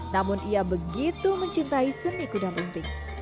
namun ia begitu mencintai seni kudam imping